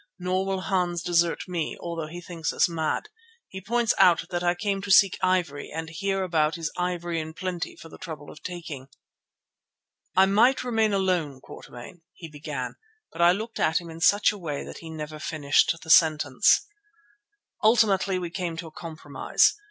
Nor will Hans desert me although he thinks us mad. He points out that I came to seek ivory and here about is ivory in plenty for the trouble of taking." "I might remain alone, Quatermain——" he began, but I looked at him in such a way that he never finished the sentence. Ultimately we came to a compromise.